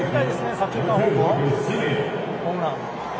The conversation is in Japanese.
左中間方向にホームラン？